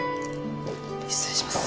失礼します。